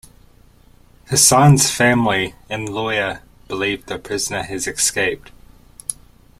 Hassan's family and lawyer believe the prisoner has escaped.